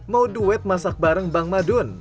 mau duet masak bareng bang madun